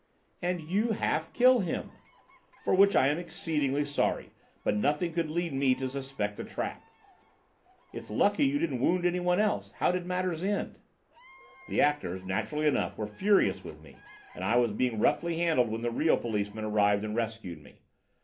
"And you half kill him." "For which I am exceedingly sorry. But nothing could lead me to suspect a trap." "It's lucky you didn't wound anyone else. How did matters end?" "The actors, naturally enough, were furious with me, and I was being roughly handled when the real policemen arrived and rescued me.